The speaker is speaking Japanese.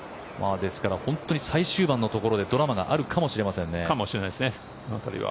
ですから本当に最終盤のところでドラマがあるかもしれないですね。